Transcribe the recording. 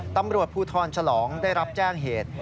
ตำรวจภูทรฉลองได้รับแจ้งเหตุ